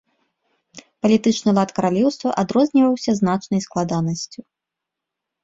Палітычны лад каралеўства адрозніваўся значнай складанасцю.